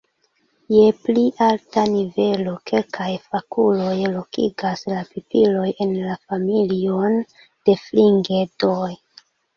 Je pli alta nivelo, kelkaj fakuloj lokigas la pipiloj en la familion de Fringedoj.